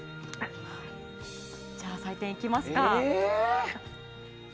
じゃあ採点、行きますか。